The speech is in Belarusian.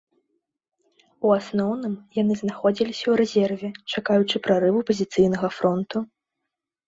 У асноўным яны знаходзіліся ў рэзерве, чакаючы прарыву пазіцыйнага фронту.